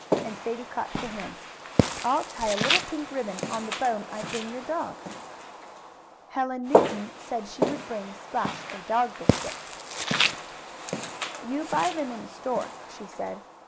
and Sadie clapped her hands. "I'll tie a little pink ribbon on the bone I bring your dog." Helen Newton said she would bring Splash a dog biscuit. "You buy them in a store," she said.